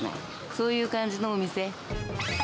そういう感じのお店。